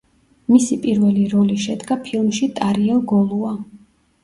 მისი პირველი როლი შედგა ფილმში „ტარიელ გოლუა“.